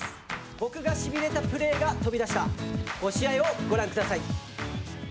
僕がしびれたプレーが飛び出した５試合をご覧ください。